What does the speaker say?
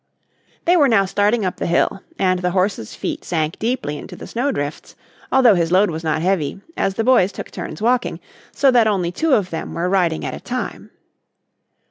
They were now starting up the hill and the horse's feet sank deeply into the snow drifts, although his load was not heavy, as the boys took turns walking, so that only two of them were riding at a time.